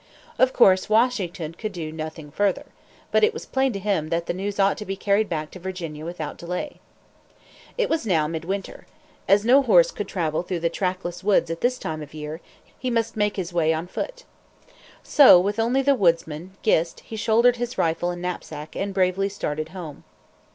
Of course Washington could do nothing further. But it was plain to him that the news ought to be carried back to Virginia without delay. It was now mid winter. As no horse could travel through the trackless woods at this time of year, he must make his way on foot. So, with only the woodsman, Gist, he shouldered his rifle and knapsack, and bravely started home.